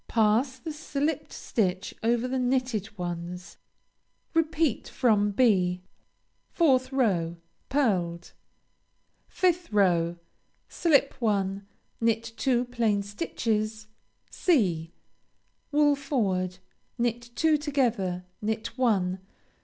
Pass the slipped stitch over the knitted ones. Repeat from (b.) 4th row Pearled. 5th row Slip one. Knit two plain stitches, (c.) Wool forward. Knit two together. Knit one.